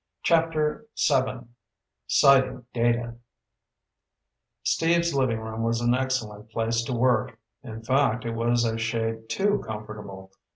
CHAPTER VII Sighting Data Steve's living room was an excellent place to work. In fact, it was a shade too comfortable.